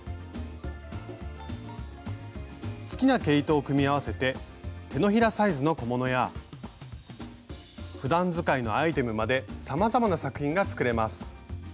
好きな毛糸を組み合わせて手のひらサイズの小物やふだん使いのアイテムまでさまざまな作品が作れます。